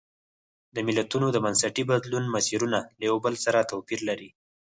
د ملتونو د بنسټي بدلون مسیرونه له یو بل سره توپیر لري.